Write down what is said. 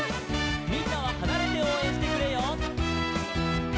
「みんなははなれておうえんしてくれよ」